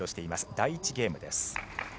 第１ゲームです。